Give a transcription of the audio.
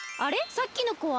さっきのこは？